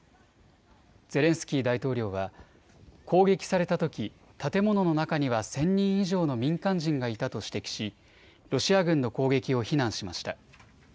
ゼレンスキー大統領は攻撃されたとき建物の中には１０００人以上の民間人がいたと指摘しロシア軍の攻撃を非難しました。